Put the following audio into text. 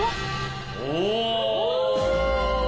お！